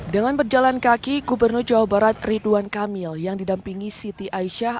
dengan berjalan kaki gubernur jawa barat ridwan kamil yang didampingi siti aisyah